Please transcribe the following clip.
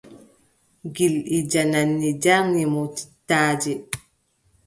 Gilɗi jannanni njarni mo cittaaje.